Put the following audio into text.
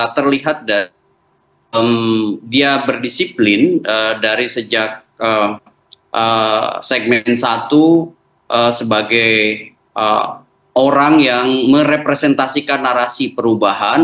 terlihat dari dia berdisiplin dari sejak segmen satu sebagai orang yang merepresentasikan narasi perubahan